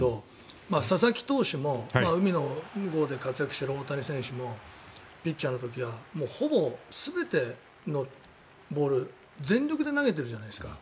僕、江川さんに聞きたいんですが佐々木投手も海の向こうで活躍してる大谷選手もピッチャーの時はほぼ全てのボール全力で投げてるじゃないですか。